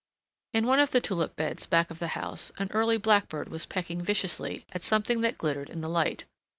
In one of the tulip beds back of the house an early blackbird was pecking viciously at something that glittered in the light.